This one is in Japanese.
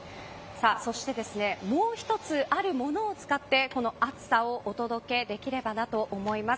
そしてもう一つあるものを使ってこの暑さをお届けできればなと思います。